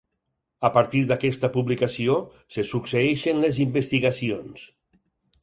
A partir d'aquesta publicació se succeeixen les investigacions.